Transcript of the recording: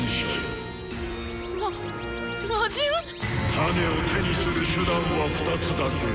タネを手にする手段は２つだけ！